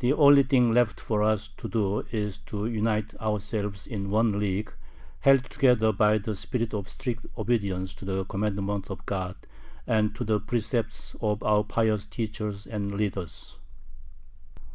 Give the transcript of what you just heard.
The only thing left for us to do is to unite ourselves in one league, held together by the spirit of strict obedience to the commandments of God and to the precepts of our pious teachers and leaders.